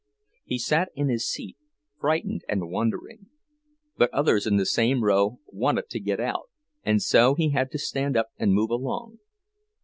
He sat in his seat, frightened and wondering; but others in the same row wanted to get out, and so he had to stand up and move along.